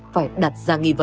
phải đặt ra nghi vấn